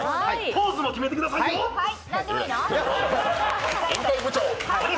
ポーズも決めてくださいよ。